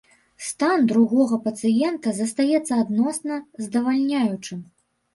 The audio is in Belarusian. Стан другога пацыента застаецца адносна здавальняючым.